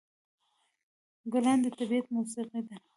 ګلان د طبیعت موسيقي ده.